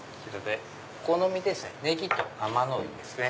お好みでネギとアマノリですね。